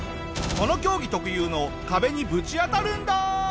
この競技特有の壁にぶち当たるんだ！